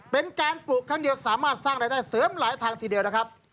เป็นการปลูกครั้งเดียวสามารถสร้างรายได้เสริมหลายทางทีเดียวนะครับ